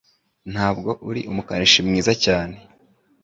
Ntabwo uri umukanishi mwiza cyane